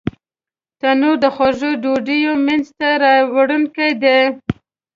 تنور د خوږو ډوډیو مینځ ته راوړونکی دی